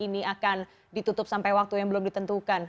ini akan ditutup sampai waktu yang belum ditentukan